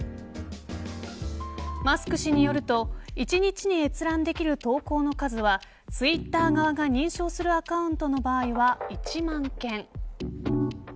マスク氏によると１日に閲覧できる投稿の数はツイッター側が認証するアカウントの場合は１万件。